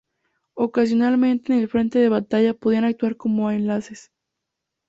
Ocasionalmente en el frente de batalla podían actuar como enlaces.